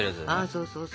そうそうそう。